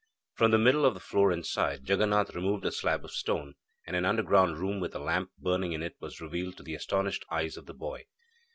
From the middle of the floor inside, Jaganath removed a slab of stone, and an underground room with a lamp burning in it was revealed to the astonished eyes of the boy.